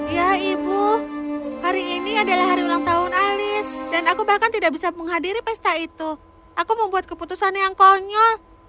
ya ibu hari ini adalah hari ulang tahun alis dan aku bahkan tidak bisa menghadiri pesta itu aku membuat keputusan yang konyol